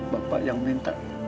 bapak yang minta